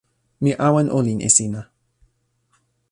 mi awen olin e sina.